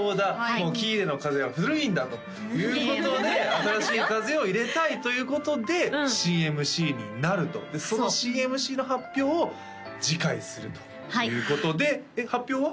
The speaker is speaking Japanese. もう喜入の風は古いんだということで新しい風を入れたいということで新ＭＣになるとでその新ＭＣの発表を次回するということでえっ発表は？